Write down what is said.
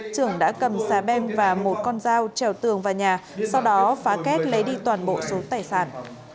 trưởng đã cầm xà bem và một con dao trèo tường vào nhà sau đó phá kết lấy đi toàn bộ số tài sản